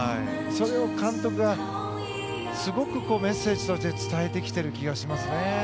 それを監督がすごくメッセージとして伝えてきている気がしますね。